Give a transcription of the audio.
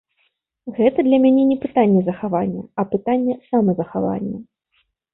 Гэта для мяне не пытанне захавання, а пытанне самазахавання.